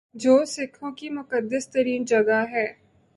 جو سکھوں کی مقدس ترین جگہ ہے